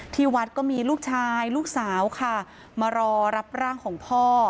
ที่วัดก็มีลูกชายลูกสาวค่ะมารอรับร่างของพ่อ